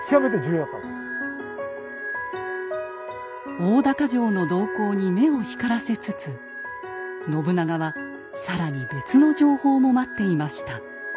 大高城の動向に目を光らせつつ信長は更に別の情報も待っていました。